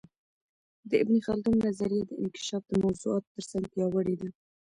د ابن خلدون نظریه د انکشاف د موضوعاتو ترڅنګ پياوړې ده.